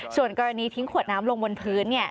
ส่วนกรณีทิ้งขวดน้ำลงบนพื้น